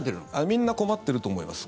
みんな困ってると思います。